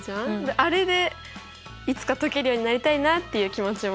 あれでいつか解けるようになりたいなっていう気持ちもあるかな。